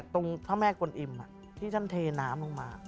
ตรงพระม่าขนอิ่มที่ท่านเทน๊ามลงมา